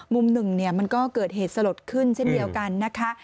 มุมหนึ่งเนี่ยมันก็เกิดเหตุสลดขึ้นเช่นเดียวกันนะคะ